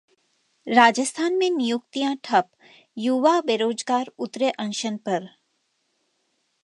राजस्थान में नियुक्तियां ठप, युवा बेरोजगार उतरे अनशन पर